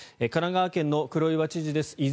神奈川県の黒岩知事です。